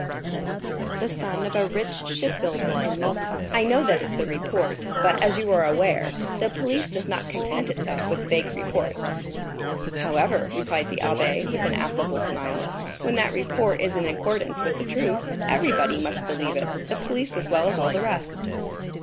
"The son of a rich shipbuilder in Malta." "I know that is the report; but, as you are aware, the police does not content itself with vague reports." "However," replied the abbé, with an affable smile, "when that report is in accordance with the truth, everybody must believe it, the police as well as all the rest."